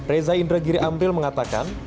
reza indragiri amril mengatakan